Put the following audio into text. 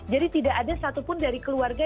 jadi tidak ada satu pun dari keluarga